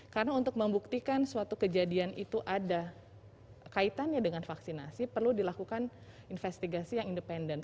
karena untuk membuktikan suatu kejadian itu ada kaitannya dengan vaksinasi perlu dilakukan investigasi yang independen